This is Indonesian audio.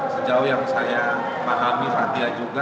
sejauh yang saya pahami fathia juga